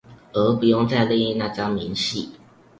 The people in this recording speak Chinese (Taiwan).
而不用再列印那張明細